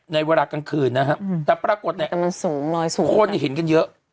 ในเวลากลางคืนนะฮะแต่ปรากฏเนี่ยแต่มันสูงน้อยสูงคนเห็นกันเยอะ